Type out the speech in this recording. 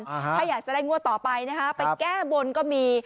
ถ้าอยากจะได้งวดต่อไปนะฮะไปแก้บนก็มี